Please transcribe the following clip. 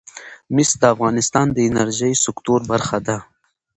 مس د افغانستان د انرژۍ سکتور برخه ده.